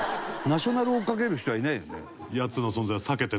ナショナルを追っかける人はいないよね。